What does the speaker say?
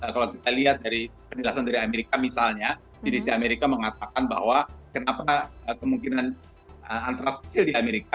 kalau kita lihat dari penjelasan dari amerika misalnya cdc amerika mengatakan bahwa kenapa kemungkinan antrak kecil di amerika